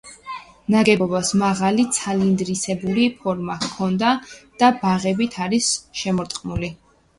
ნაგებობას მაღალი ცილინდრისებური ფორმა აქვს და ბაღებით არის შემორტყმული.